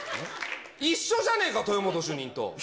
一緒じゃねぇか、豊本主任と。